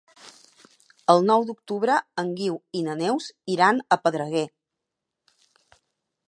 El nou d'octubre en Guiu i na Neus iran a Pedreguer.